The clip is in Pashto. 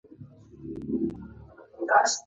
دوی د کچالو په کښت مشهور دي.